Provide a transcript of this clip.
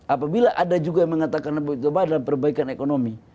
apabila ada juga yang mengatakan coba adalah perbaikan ekonomi